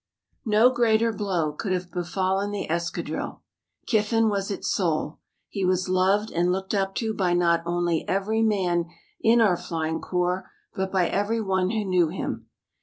No greater blow could have befallen the escadrille. Kiffin was its soul. He was loved and looked up to by not only every man in our flying corps but by every one who knew him.